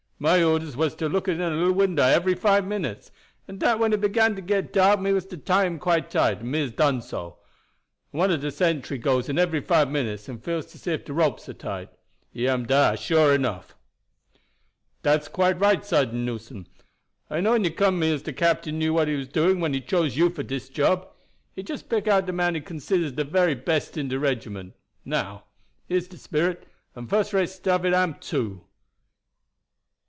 My orders was to look in at dat little winder ebery five minutes, and dat when it began to get dark me was to tie him quite tight, and me hab done so. And one of de sentries goes in every five minutes and feels to see if de ropes are tight. He am dar, sure enough." "Dat's quite right, Sergeant Newson. I knew when you came to have me as de captain knew what he was doing when he choose you for dis job. He just pick out de man he considers de very best in de regiment. Now, here is de spirit; and fuss rate stuff it am, too."